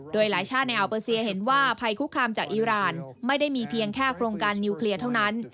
โดยหลายชาติในอัลเปอร์เซียเห็นว่าภัยคุกคามจากอีรานไม่ได้มีเพียงแค่โครงการนิวเคลียร์เท่านั้น